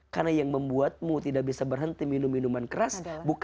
karena yang membuatmu tidak bisa berhenti minum minuman keras